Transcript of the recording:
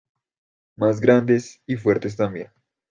Más grandes y fuertes también.